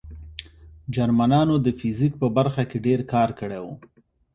جرمنانو د فزیک په برخه کې ډېر کار کړی و